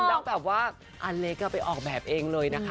แล้วแบบว่าอเล็กไปออกแบบเองเลยนะคะ